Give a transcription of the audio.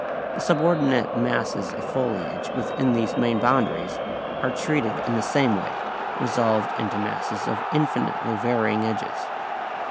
The subordinate masses of foliage within these main boundaries are treated in the same way, resolved into masses of infinitely varying edges.